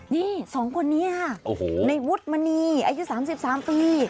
นี้สองคนนี้ในวุฒิมณีอายุ๓๓ปี